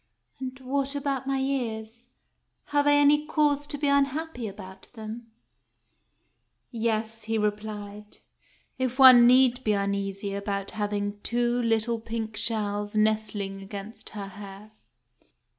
"And what about my ears ? Have I any cause to be un happy about them ?" "Yes," he replied, "if one need be uneasy about having two little pink shells nestling against her hair."